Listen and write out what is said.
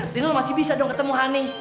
lino masih bisa dong ketemu ani